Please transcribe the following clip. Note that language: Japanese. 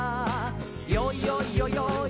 「よいよいよよい